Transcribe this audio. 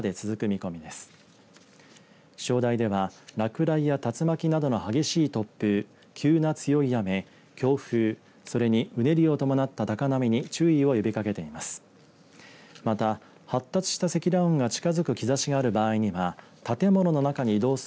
気象台では落雷や竜巻などの激しい突風急な強い雨、強風それに、うねりを伴った高波に注意を呼びかけています。